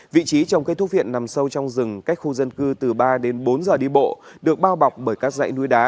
vị trí trồng cây thuốc viện nằm sâu trong rừng cách khu dân cư từ ba đến bốn giờ đi bộ được bao bọc bởi các dãy núi đá